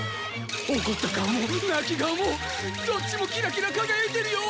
怒った顔も泣き顔もどっちもキラキラ輝いてるよ！